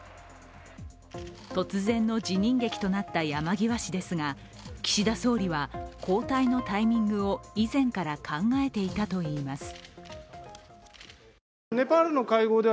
突然の辞任劇となった山際氏ですが岸田総理は交代のタイミングを以前から考えていたといいます。